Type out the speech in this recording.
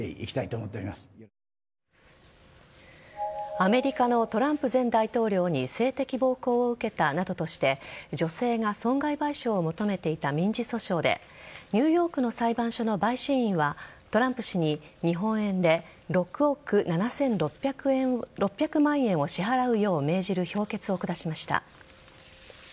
アメリカのトランプ前大統領に性的暴行を受けたなどとして女性が損害賠償を求めていた民事訴訟でニューヨークの裁判所の陪審員はトランプ氏に日本円で６億７６００万円を支払うよう命じる評決を下しました。